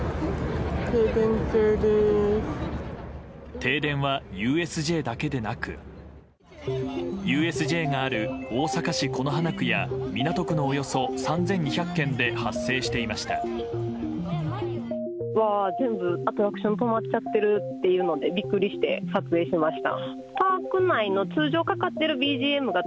停電はＵＳＪだけでなくＵＳＪがある大阪市此花区や港区のおよそ３２００軒で発生していました。